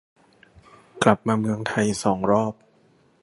กลับมาเมืองไทยสองรอบ